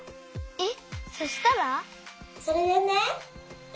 えっ！？